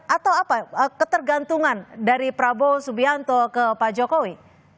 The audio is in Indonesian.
atau apa ketergantungan dari prabowo subianto ke pak jokowi